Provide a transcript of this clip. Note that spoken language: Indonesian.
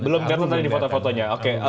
belum kelihatan tadi di foto fotonya